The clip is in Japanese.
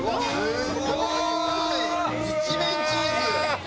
すごい！一面チーズ。